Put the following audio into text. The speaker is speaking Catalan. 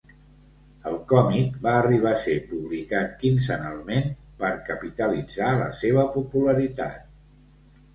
El còmic va arribar a ser publicat quinzenalment per capitalitzar la seva popularitat.